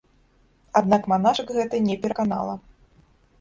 Аднак манашак гэта не пераканала.